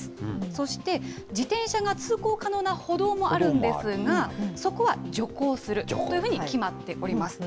そして、自転車が通行可能な歩道もあるんですが、そこは徐行するというふうに決まっております。